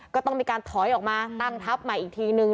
ก็ต้องมีการถอยออกมาตั้งทัพใหม่อีกทีนึง